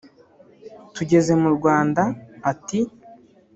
tugeze mu Rwanda ati